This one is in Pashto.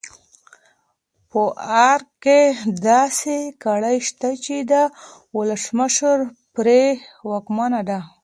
په ارګ کې داسې کړۍ شته چې د ولسمشر پرې واکمنه ده.